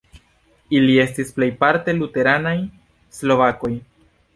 Ili estis plejparte luteranaj slovakoj.